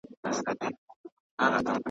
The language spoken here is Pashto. د مورپه نوم د ھرلیکوال، رومان مې ولټوو